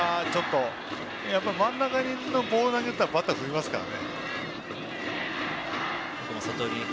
真ん中のボールを投げたらバッターは振りますから。